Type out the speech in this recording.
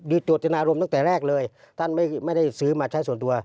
โดยโจทนารมณ์ตั้งแต่แรกเลยท่านไม่ได้ซื้อมาใช้ส่วนตัว